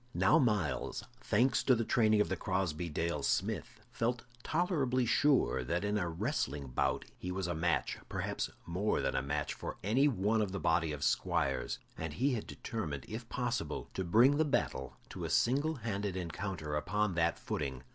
Now Myles, thanks to the training of the Crosbey Dale smith, felt tolerably sure that in a wrestling bout he was a match perhaps more than a match for any one of the body of squires, and he had determined, if possible, to bring the battle to a single handed encounter upon that footing.